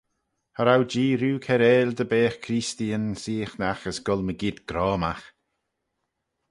Cha row Jee rieau kiarail dy beagh creesteeyn seaghnagh as goll mygeayrt groamagh.